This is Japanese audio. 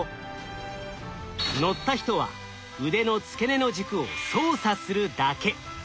乗った人は腕の付け根の軸を操作するだけ。